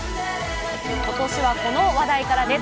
今年はこの話題からです。